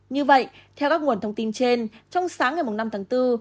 như vậy theo các nguồn thông tin trên trong sáng ngày năm tháng bốn